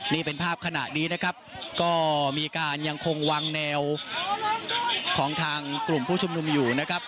นี่เป็นภาพขณะนี้นะครับก็มีการยังคงวางแนวของทางกลุ่มผู้ชุมนุมอยู่นะครับ